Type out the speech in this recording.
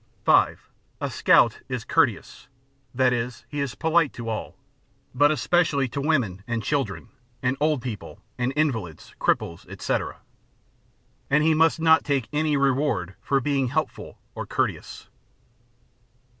5. A Scout is Courteous: That is, he is polite to all ŌĆö but especially to women and children, and old people and invalids, cripples, etc. And he must not take any reward for being helpful or courteous.